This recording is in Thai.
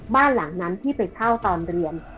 บ้านหลังนั้นที่ไปเช่าตอนเรียน